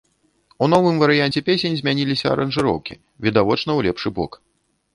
У новым варыянце песень змяніліся аранжыроўкі, відавочна ў лепшы бок.